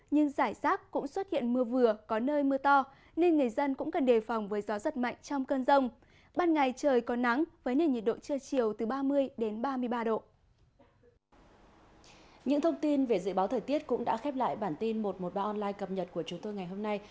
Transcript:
những thông tin về dự báo thời tiết cũng đã khép lại bản tin một trăm một mươi ba online cập nhật của chúng tôi ngày hôm nay